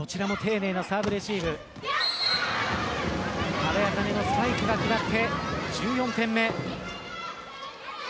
阿部明音のスパイクが決まって１４点目。